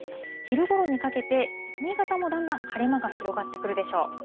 昼ごろにかけて、新潟もだんだん晴れ間が広がってくるでしょう。